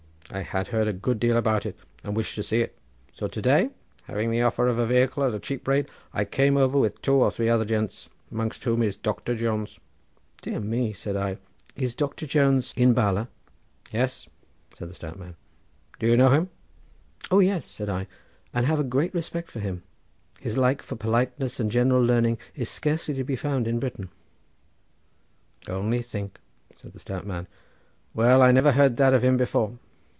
I had heard a good deal about it, and wished to see it. So to day, having the offer of a vehicle at a cheap rate I came over with two or three other gents, amongst whom is Doctor Jones." "Dear me," said I; "is Doctor Jones in Bala?" "Yes," said the stout man; "do you know him?" "Oh yes," said I, "and have a great respect for him; his like for politeness and general learning is scarcely to be found in Britain." "Only think," said the stout man. "Well, I never heard that of him before."